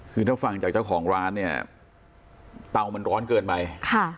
คือถ้าฟังจากเจ้าของร้านเนี่ยเตามันร้อนเกินไปค่ะ